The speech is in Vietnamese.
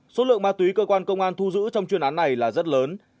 số lượng ma túy cơ quan công an thu giữ trong chuyên án này là rất lớn